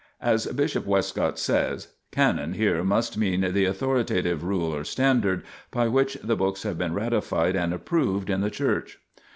As Bishop Westcott says, Canon here must mean the authoritative rule or standard, by which the books have been ratified and approved in the Church.